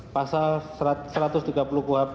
pasal satu ratus tiga puluh kuhap